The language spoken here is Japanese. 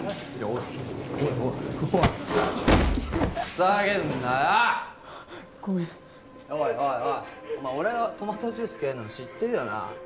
お前俺がトマトジュース嫌いなの知ってるよな？